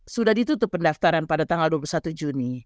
sudah ditutup pendaftaran pada tanggal dua puluh satu juni